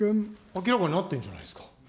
明らかになってるじゃないですか。